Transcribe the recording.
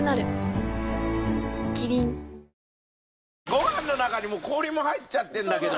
ご飯の中に氷も入っちゃってるんだけど。